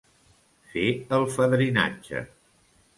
Fer el fadrinatge.